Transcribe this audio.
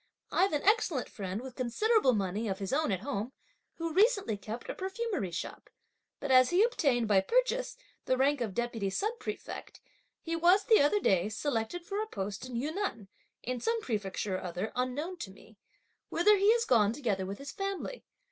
I've an excellent friend with considerable money of his own at home, who recently kept a perfumery shop; but as he obtained, by purchase, the rank of deputy sub prefect, he was, the other day, selected for a post in Yunnan, in some prefecture or other unknown to me; whither he has gone together with his family.